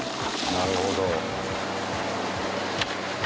なるほど。